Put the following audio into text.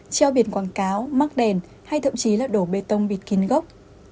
treo biển quảng cáo mắc đèn hay thậm chí là đổ bê tông bịt kín gốc